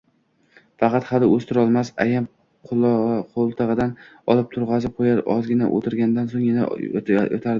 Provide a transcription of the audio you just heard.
Faqat hali oʻzi turolmas, ayam qoʻltigʻidan olib turgʻazib qoʻyar, ozgina oʻtirgandan soʻng yana yotardi.